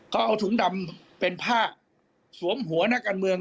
เขาเอาถุงดำเป็นผ้าสวมหัวนักการเมือง